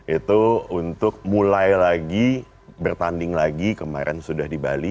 itu untuk mulai lagi bertanding lagi kemarin sudah di bali